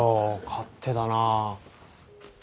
勝手だな。